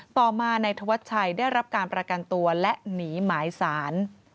ต่อมานายธวัชชัยได้รับการประกันตัวและหนีหมายสาร